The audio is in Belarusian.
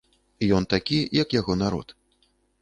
Ён такі, як яго народ.